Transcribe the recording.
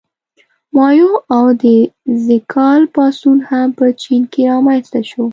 مائو او د ز کال پاڅون هم په چین کې رامنځته شو.